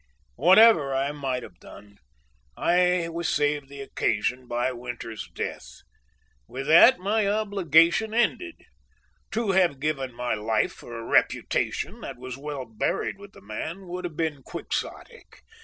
"Whatever I might have done, I was saved the occasion by Winters's death. With that my obligation ended. To have given my life for a reputation that was well buried with the man, would have been quixotic.